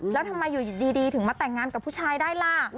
แล้วทำไมอยู่ดีถึงมาแต่งงานกับผู้ชายได้ล่ะ